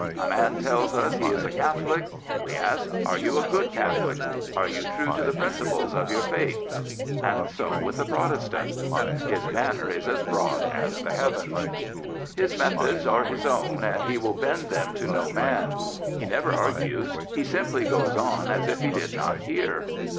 " A man tells us he is a Catholic. We ask, ' Are you a good Catholic? Are you true to the principles of your faith? ' And so with the Protestant." His banner is as broad as the heavens. 19a General Booth His methods are his own, and he will bend them to no man. He never argues: he simply goes on as if he did not hear.